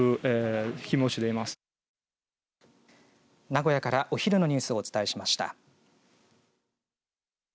名古屋からお昼のニュースをお伝えしました。